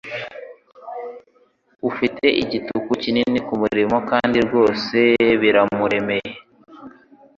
Afite igitutu kinini kumurimo kandi rwose biramuremereye